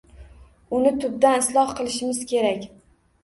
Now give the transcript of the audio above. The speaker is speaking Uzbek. Uni tubdan isloh qilishimiz kerak